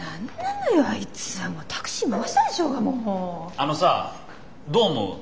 あのさどう思う？